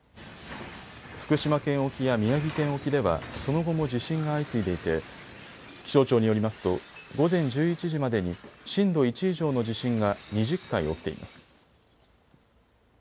福島県沖や宮城県沖ではその後も地震が相次いでいて気象庁によりますと午前１１時までに震度１以上の地震が２０回起きています。